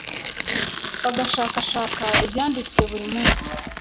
bagashakashaka Ibyanditswe buri munsi